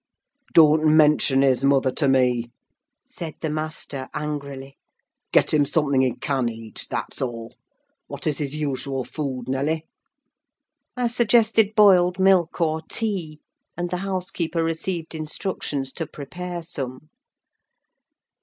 "Don't mention his mother to me," said the master, angrily. "Get him something that he can eat, that's all. What is his usual food, Nelly?" I suggested boiled milk or tea; and the housekeeper received instructions to prepare some.